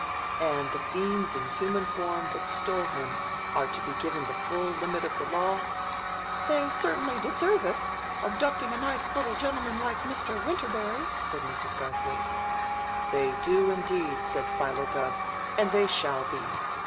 "And the fiends in human form that stole him are to be given the full limit of the law?" "They certainly deserve it, abducting a nice little gentleman like Mr. Winterberry," said Mrs. Garthwaite. "They do, indeed," said Philo Gubb, "and they shall be.